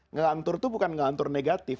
ngelantur itu bukan ngelantur negatif